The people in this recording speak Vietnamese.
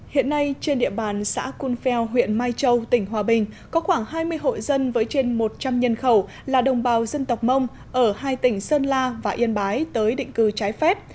hiện nay trên địa bàn xã cunfeo huyện mai châu tỉnh hòa bình có khoảng hai mươi hội dân với trên một trăm linh nhân khẩu là đồng bào dân tộc mông ở hai tỉnh sơn la và yên bái tới định cư trái phép